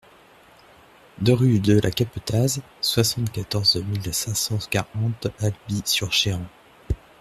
deux rue de la Capetaz, soixante-quatorze mille cinq cent quarante Alby-sur-Chéran